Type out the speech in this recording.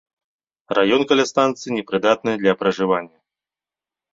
Раён каля станцыі непрыдатны для пражывання.